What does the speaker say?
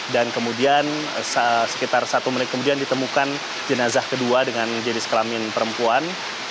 kemudian sekitar satu menit kemudian ditemukan jenazah kedua dengan jenis kelamin perempuan